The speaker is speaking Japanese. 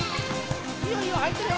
いいよいいよ入ってるよ。